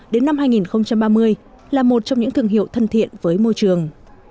đến năm hai nghìn ba mươi là một trong những thương hiệu thân thiện với môi trường